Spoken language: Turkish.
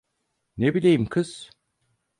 Ne bileyim kız?